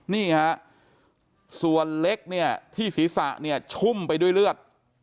นี่ฮะส่วนเล็กเนี่ยที่ศีรษะเนี่ยชุ่มไปด้วยเลือด